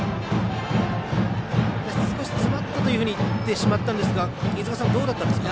少し詰まったと言ってしまったんですが飯塚さん、どうだったですか？